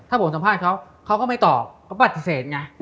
ถ้าผมสัมภาษณ์เขาเขาก็ไม่ตอบเขาปฏิเสธไง